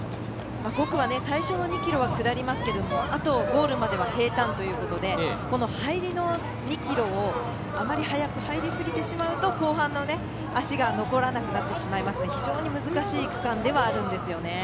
５区は最初の２ｋｍは下りますがゴールまでは平たんということでこの入りの２ｋｍをあまり速く入りすぎてしまうと後半の足が残らなくなってしまいますので非常に難しい区間ではあるんですね。